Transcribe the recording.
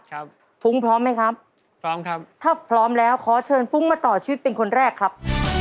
ฟุ้งพร้อมไหมครับพร้อมครับถ้าพร้อมแล้วขอเชิญฟุ้งมาต่อชีวิตเป็นคนแรกครับ